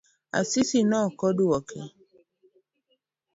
Asisi nokoduoke.